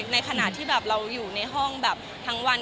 ในขณะที่เราอยู่ในห้องขึ้นทั้งวัน